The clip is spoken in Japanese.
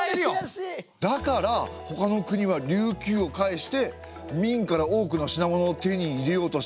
だからほかの国は琉球をかいして明から多くの品物を手に入れようとしたってことですね！